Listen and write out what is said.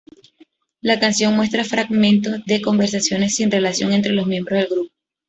La canción muestra fragmentos de conversaciones sin relación entre los miembros del grupo.